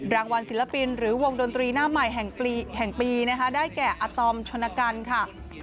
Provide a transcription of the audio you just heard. รางวัลศิลปินหรือวงดนตรีหน้าใหม่แห่งปีนะคะได้แก่อาตอมชนกันค่ะ